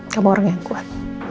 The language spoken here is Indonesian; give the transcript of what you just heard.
kamu orang yang kuat